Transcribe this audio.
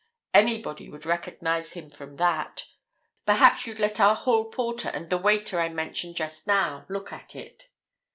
Anybody would recognize him from that—perhaps you'd let our hall porter and the waiter I mentioned just now look at it?"